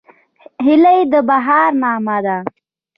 هیلۍ د بهار نغمه ده